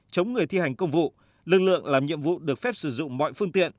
chống người thi hành công vụ lực lượng làm nhiệm vụ được phép sử dụng mọi phương tiện